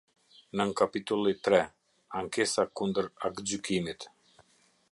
Nënkapitulli Ill - Ankesa kundër aktgjykimit.